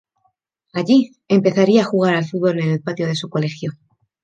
Allí, empezaría a jugar al fútbol en el patio de su colegio.